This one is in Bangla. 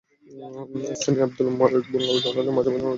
স্থানীয় আবদুল বারেক মোল্লা জানালেন, মাঝে মাঝে নদীতে লাশের গন্ধ পাওয়া যায়।